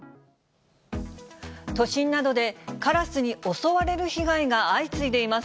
都心などでカラスに襲われる被害が相次いでいます。